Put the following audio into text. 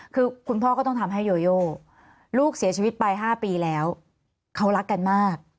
คือคุณพ่อก็ต้องทำให้โยโยลูกเสียชีวิตไป๕ปีแล้วเขารักกันมาก